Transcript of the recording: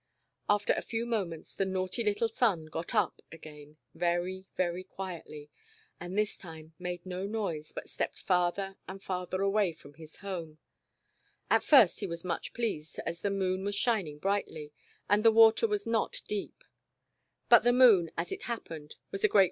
After a few moments the naughty little son got up again very, very quietly, and this time made no noise but stepped farther and farther away from his home. At first he was much pleased, as the Moon was shining brightly, and the water was not deep. But the Moon, as it happened, was a great The Disobedient Island.